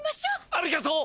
ありがとう！